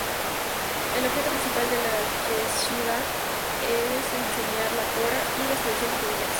El objetivo principal de la yeshivá es enseñar la Torá y las tradiciones judías.